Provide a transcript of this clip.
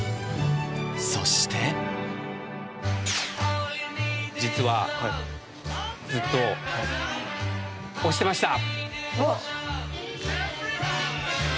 そして実はずっと推してました！